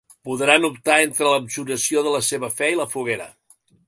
Podran optar entre l'abjuració de la seva fe i la foguera.